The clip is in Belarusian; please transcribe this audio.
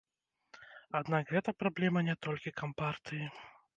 Аднак гэта праблема не толькі кампартыі.